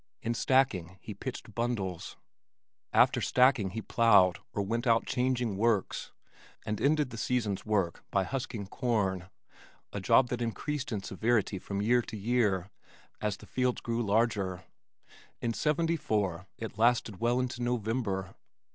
In stacking he pitched bundles. After stacking he plowed or went out "changing works" and ended the season's work by husking corn a job that increased in severity from year to year, as the fields grew larger. In '74 it lasted well into November.